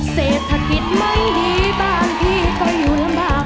เสร็จธกิจไม่ดีบ้างอีกต่ออยู่หลำบาก